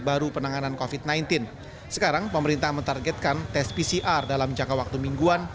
baru penanganan kofit sembilan belas sekarang pemerintah mentargetkan tes pcr dalam jangka waktu mingguan